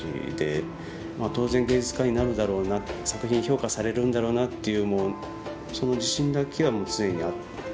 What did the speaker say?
当然芸術家になるだろうな作品評価されるんだろうなっていうその自信だけは常にあって。